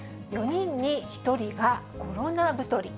４人に１人がコロナ太り。